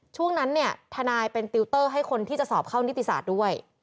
ช่วงนั้นเนี่ยทนายเป็นติวเตอร์ให้คนที่จะสอบเข้านิติศาสตร์ด้วย